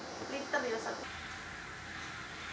atau perangkat yang terpaksa diangkat dengan alat pengukur level digital